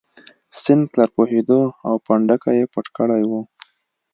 سینکلر پوهېده او پنډکی یې پټ کړی و.